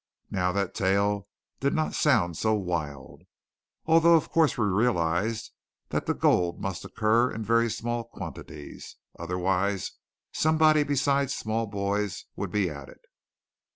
Now that tale did not sound so wild; although of course we realized that the gold must occur in very small quantities. Otherwise somebody beside small boys would be at it.